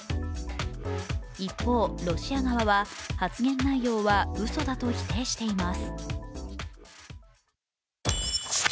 一方、ロシア側は発言内容はうそだと否定しています。